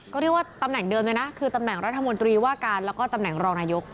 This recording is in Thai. ก็เรียกว่าตำแหน่งเดิมเลยนะคือตำแหน่งรัฐมนตรีว่าการแล้วก็ตำแหน่งรองนายก